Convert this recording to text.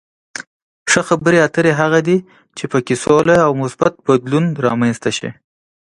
ښه خبرې اترې هغه دي چې په کې سوله او مثبت بدلون رامنځته شي.